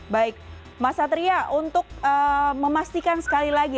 baik mas satria untuk memastikan sekali lagi